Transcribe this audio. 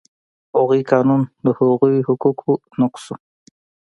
هغوی قانون د هغو حقوقو نقض و.